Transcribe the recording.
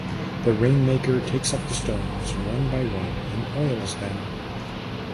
The rainmaker takes up the stones one by one and oils them.